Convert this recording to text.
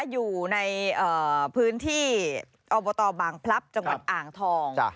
อยู่ในพื้นที่อบตบางพลับจังหวัดอ่างทอง